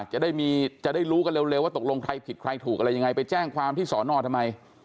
จะได้รู้กันเร็วว่าตกลงใครผิดใครถูกอะไรยังไงไปแจ้งความที่สอนอทำไม